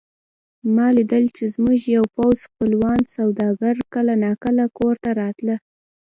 ما لیدل چې زموږ یو پوخ خپلوان سوداګر کله نا کله کور ته راته.